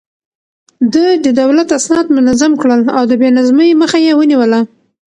ده د دولت اسناد منظم کړل او د بې نظمۍ مخه يې ونيوله.